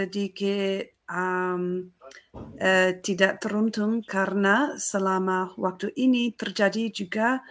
tidak teruntungnya sedikit tidak teruntung karena selama waktu ini terjadi juga